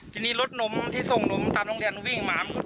ทีนี้รถหนมที่ส่งหนมตามตรงทางนี้วิ่งออกมา